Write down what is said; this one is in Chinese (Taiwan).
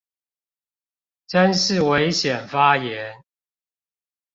真是危險發言